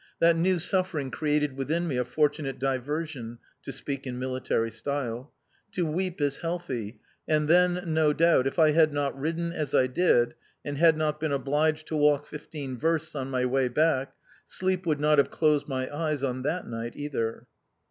That new suffering created within me a fortunate diversion to speak in military style. To weep is healthy, and then, no doubt, if I had not ridden as I did and had not been obliged to walk fifteen versts on my way back, sleep would not have closed my eyes on that night either.